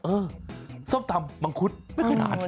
ส้มตำมังคุดไม่เคยทาน